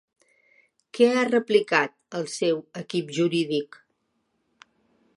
Què ha replicat el seu equip jurídic?